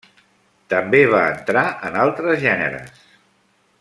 També va entrar en altres gèneres.